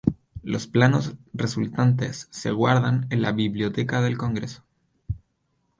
Los planos resultantes se guardan en la Biblioteca del Congreso.